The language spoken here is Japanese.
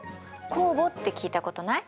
酵母って聞いたことない？